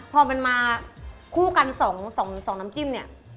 พอมันมาคู่กัน๒น้ำจิ้มเนี่ย